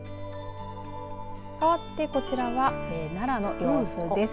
かわってこちらは奈良の様子です。